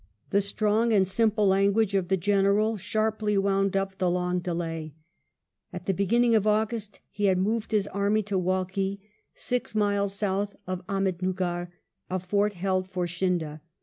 The strong and simple language of the General sharply wound up the long delay. At the beginning of August he had moved his army to Walkee, six miles south of Ahmednugger, a fort held for Scindia.